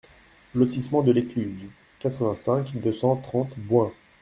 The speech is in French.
Lotissement de l'Écluse, quatre-vingt-cinq, deux cent trente Bouin